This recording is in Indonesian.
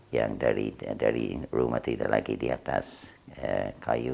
yang dari rumah tidak lagi di atas kayu